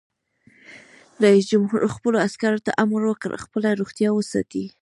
رئیس جمهور خپلو عسکرو ته امر وکړ؛ خپله روغتیا وساتئ!